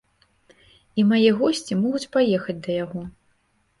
І мае госці могуць паехаць да яго.